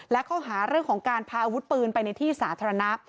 และข้อหาเรื่องของการพาอาวุธปืนไปในที่สาธารณะ